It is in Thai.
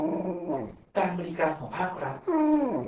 การบริการของภาครัฐ